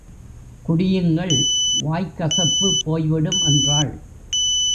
குடியுங்கள், வாய்க் கசப்பு போய்விடும் என்றாள்.